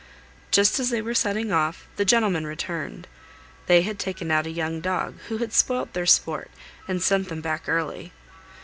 Just as they were setting off, the gentlemen returned. They had taken out a young dog, who had spoilt their sport, and sent them back early.